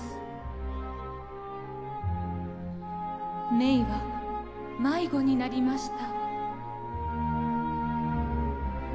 メイは迷子になりました。